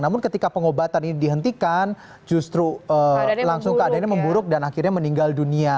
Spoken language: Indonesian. namun ketika pengobatan ini dihentikan justru langsung keadaannya memburuk dan akhirnya meninggal dunia